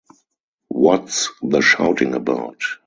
What's the shouting about!